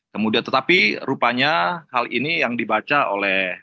kemudian tetapi rupanya hal ini yang dibaca oleh